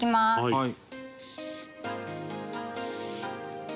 はい。